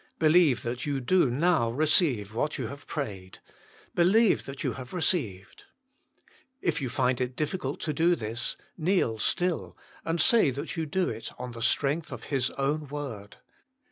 Believe that you do now receive what you have prayed : believe that you have received. If you find it difficult to do THE SECRET OP EFFECTUAL PRAYER 115 this, kneel still, and say that you do it on the strength of His own word.